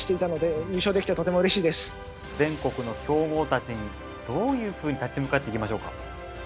全国の強豪たちにどういうふうに立ち向かっていきましょうか？